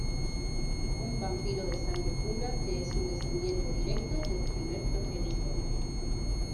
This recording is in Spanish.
Un vampiro de sangre pura que es un descendiente directo del Primer Progenitor.